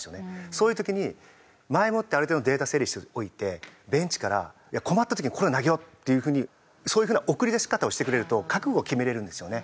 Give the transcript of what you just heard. そういう時に前もってある程度のデータ整理しておいてベンチから「困った時にはこれ投げろ！」っていう風にそういう風な送り出し方をしてくれると覚悟を決めれるんですよね。